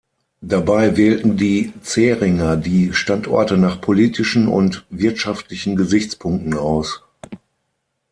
Dabei wählten die Zähringer die Standorte nach politischen und wirtschaftlichen Gesichtspunkten aus.